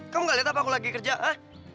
kamu nggak lihat apa aku lagi kerja ha